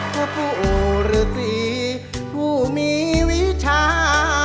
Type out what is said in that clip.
กระปุะอุรสีผู้มีวิชา